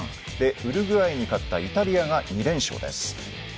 ウルグアイに勝ったイタリアが２連勝です。